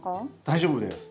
大丈夫です。